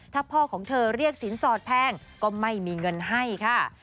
ถ้าพ่อของเธอเรียกสินสอดแพงก็ไม่มีเงินให้ค่ะ